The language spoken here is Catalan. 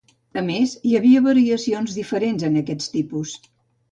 A més, hi havia variacions diferents en aquests tipus.